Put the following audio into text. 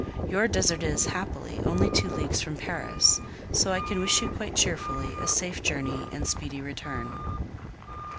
Your desert is, happily, only two leagues from Paris, so I can wish you quite cheerfully, "A safe journey and speedy return."